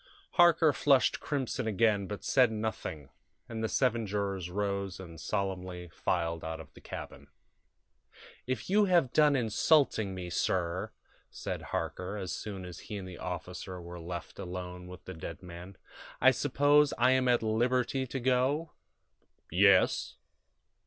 Harker flushed crimson again, but said nothing, and the seven jurors rose and solemnly filed out of the cabin. "If you have done insulting me, sir," said Harker, as soon as he and the officer were left alone with the dead man, "I suppose I am at liberty to go?" "Yes."